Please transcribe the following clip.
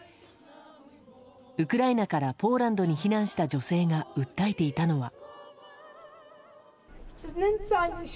ウクライナからポーランドに避難した女性が訴えていたのは。